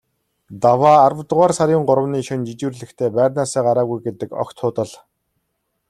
Даваа аравдугаар сарын гуравны шөнө жижүүрлэхдээ байрнаасаа гараагүй гэдэг огт худал.